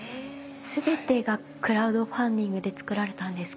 全てがクラウドファンディングでつくられたんですか？